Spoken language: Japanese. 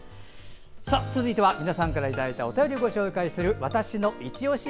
続いては、皆さんからいただいたお便りをご紹介する「＃わたしのいちオシ」